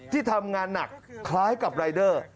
ที่ทำงานหนักคล้ายกับรายเดอร์